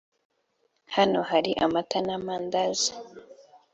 hano hari amata n’ amandazi